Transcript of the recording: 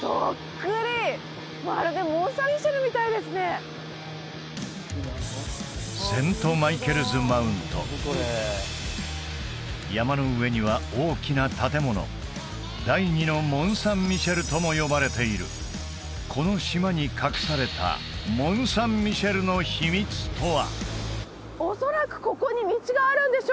地方セント・マイケルズ・マウント山の上には大きな建物第２のモン・サン・ミシェルとも呼ばれているこの島に隠されたモン・サン・ミシェルの秘密とは？